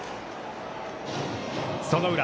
その裏。